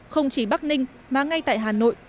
không chỉ bắc ninh mà ngay tại hà nội